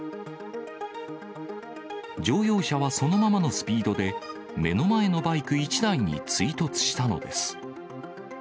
乗用車はそのままのスピードで、目の前のバイク１台に追突したのです。